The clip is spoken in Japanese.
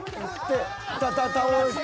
［倒して］